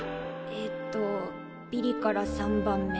えっとビリから３番目。